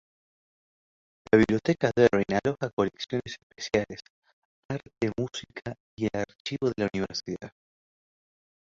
La biblioteca Deering aloja colecciones especiales, arte, música y el archivo de la universidad.